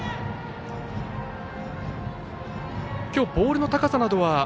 きょうボールの高さなどは。